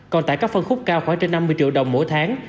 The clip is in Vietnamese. còn tại các phân khúc cao khoảng trên năm mươi triệu đồng mỗi tháng